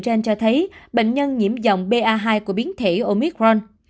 trên cho thấy bệnh nhân nhiễm dòng ba hai của biến thể omicron